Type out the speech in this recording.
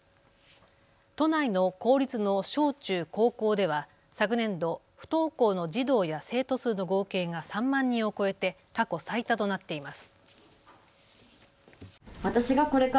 都内の公立の小中高校では昨年度、不登校の児童や生徒数の合計が３万人を超えて過去最多となっています。